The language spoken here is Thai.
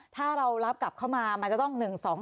ถ้าเรารับกลับเข้ามามันจะต้อง๑๒๒